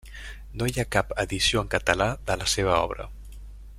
No hi ha cap edició en català de la seva obra.